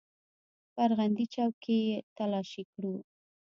په ارغندې چوک کښې يې تلاشي کړو.